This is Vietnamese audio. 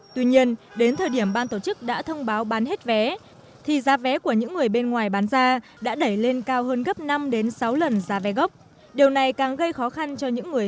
tuy nhiên đến thời điểm ban tổ chức đã thông báo bán hết vé thì giá vé của những người bên ngoài bán ra đã đẩy lên cao hơn gấp năm đến sáu lần giá vé gốc